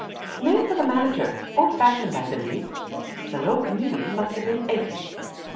" Name for the manager ; old fashioned, I believe. The low comedian must have been eighty."